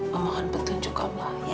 memohon petunjuk allah ya